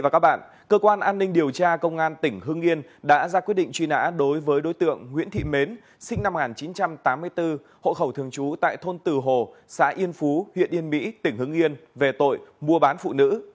cơ quan an ninh điều tra công an tỉnh hưng yên đã ra quyết định truy nã đối với đối tượng nguyễn thị mến sinh năm một nghìn chín trăm tám mươi bốn hộ khẩu thường trú tại thôn từ hồ xã yên phú huyện yên mỹ tỉnh hưng yên về tội mua bán phụ nữ